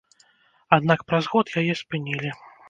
Аднак праз год яе спынілі.